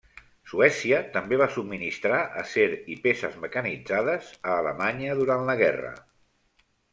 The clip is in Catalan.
Suècia també va subministrar acer i peces mecanitzades a Alemanya durant la guerra.